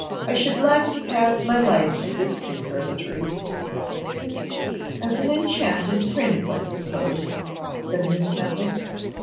'I should like to pass my life in this conservatory.' 'As an enchanted prince, I suppose?' said Miss Temple.